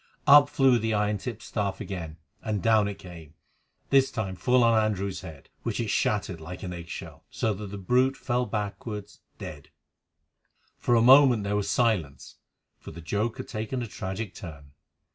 Up flew the iron tipped staff again, and down it came, this time full on Andrew's head, which it shattered like an egg shell, so that the brute fell backwards, dead. For a moment there was silence, for the joke had taken a tragic turn.